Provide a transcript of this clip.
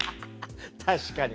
確かにね。